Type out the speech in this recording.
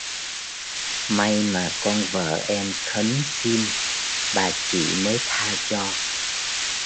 May mà con vợ em khấn xin bà chị mới tha cho